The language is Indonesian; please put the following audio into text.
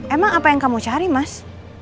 emang apa yang kamu cari mas